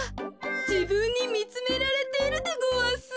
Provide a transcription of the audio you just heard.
じぶんにみつめられているでごわす。